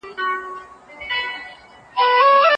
انسانانو ځنګلونه وهلي وو.